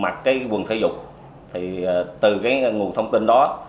mặt cái quần thể dục thì từ cái nguồn thông tin đó